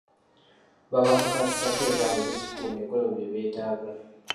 Babakakaatikako ebyabwe ebisukkulumye ku ebyo bye beetaaga.